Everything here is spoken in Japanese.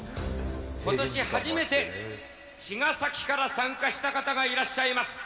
ことし初めて、茅ヶ崎から参加した方がいらっしゃいます。